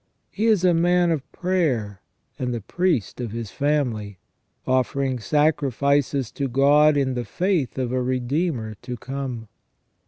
He is a man of prayer, and the priest of his family, offering sacrifices to God in the faith of a Redeemer to come.